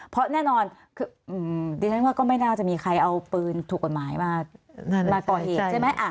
เพราะแน่นอนคือดิฉันว่าก็ไม่น่าจะมีใครเอาปืนถูกกฎหมายมาก่อเหตุใช่ไหม